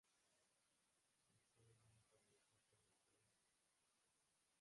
Posee el único aeropuerto del país.